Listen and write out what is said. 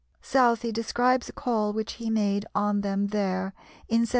Southey describes a call which he made on them there in 1794 5.